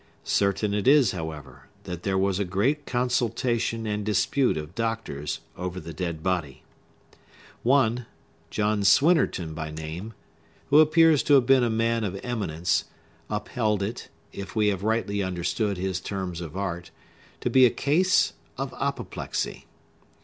Certain it is, however, that there was a great consultation and dispute of doctors over the dead body. One,—John Swinnerton by name,—who appears to have been a man of eminence, upheld it, if we have rightly understood his terms of art, to be a case of apoplexy.